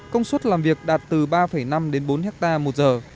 công suất làm việc đạt từ ba năm đến bốn hectare một giờ